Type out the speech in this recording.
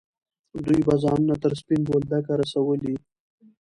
دوی به ځانونه تر سپین بولدکه رسولي.